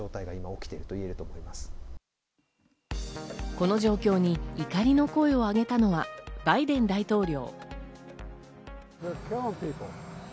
この状況に怒りの声をあげたのはバイデン大統領。